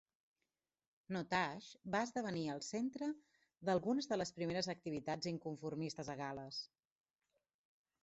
Nottage va esdevenir el centre d'algunes de les primers activitats inconformistes a Gal·les.